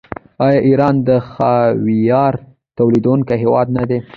آیا ایران د خاویار تولیدونکی هیواد نه دی؟